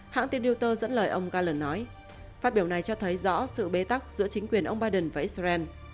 hãng tiêu diệu tơ dẫn lời ông galen nói phát biểu này cho thấy rõ sự bê tắc giữa chính quyền ông biden và israel